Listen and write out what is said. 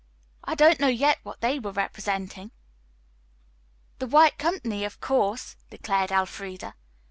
I don't know yet what they were representing." "The 'White Company,' of course," declared Elfreda.